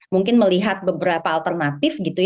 mungkin melihat beberapa alternatif